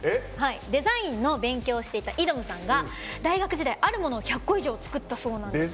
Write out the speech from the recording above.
デザインの勉強をしていたｉｄｏｍさんが大学時代あるものを１００個以上作ったそうなんです。